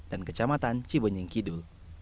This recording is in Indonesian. dan kecamatan cibonjing kidul